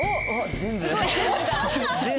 全部。